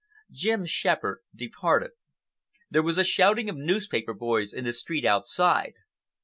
Jim Shepherd departed. There was a shouting of newspaper boys in the street outside.